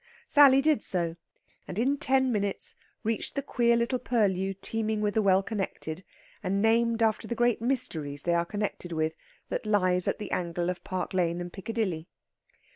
Sally did so, and in ten minutes reached the queer little purlieu teeming with the well connected, and named after the great Mysteries they are connected with, that lies in the angle of Park Lane and Piccadilly.